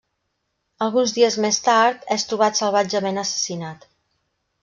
Alguns dies més tard, és trobat salvatgement assassinat.